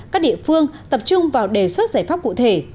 các địa phương tập trung vào đề xuất giải pháp cụ thể